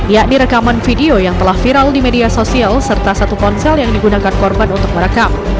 yakni rekaman video yang telah viral di media sosial serta satu ponsel yang digunakan korban untuk merekam